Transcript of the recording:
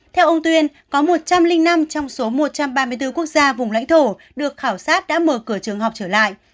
theo ông tuyên có một trăm linh năm trong số một trăm ba mươi bốn quốc gia vùng lãnh thổ được khảo sát đã mở cửa trường học trở lại